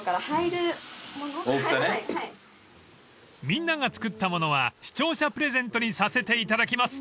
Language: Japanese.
［みんなが作ったものは視聴者プレゼントにさせていただきます］